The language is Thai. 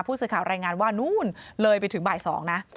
ผู้สื่อข่าวรายงานว่านู้นเลยไปถึงบ่าย๒นะ